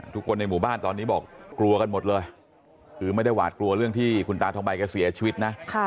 ทุกคนในหมู่บ้านตอนนี้บอกกลัวกันหมดเลยคือไม่ได้หวาดกลัวเรื่องที่คุณตาทองใบแกเสียชีวิตนะ